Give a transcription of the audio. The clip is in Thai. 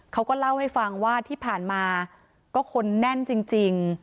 เขาก็เล่าให้ฟังว่าที่ผ่านมาก็คนแน่นจริง